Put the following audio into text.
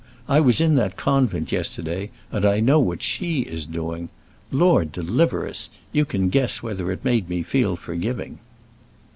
I was in that convent yesterday and I know what she is doing. Lord deliver us! You can guess whether it made me feel forgiving!"